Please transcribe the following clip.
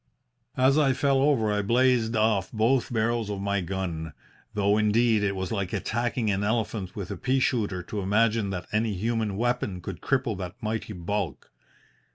"As I fell over I blazed off both barrels of my gun, though, indeed, it was like attacking an elephant with a pea shooter to imagine that any human weapon could cripple that mighty bulk.